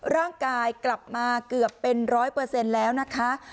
ร่างกายกลับมาเกือบเป็นร้อยเปอร์เซ็นต์แล้วนะคะ